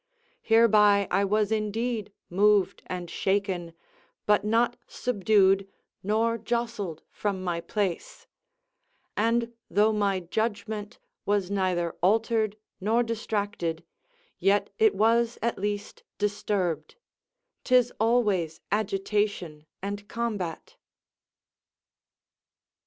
Hereby I was indeed moved and shaken, but not subdued nor jostled from my place; and though my judgment was neither altered nor distracted, yet it was at least disturbed: 'tis always agitation and combat.